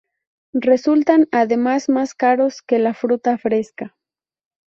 Resultan además más caros que la fruta fresca.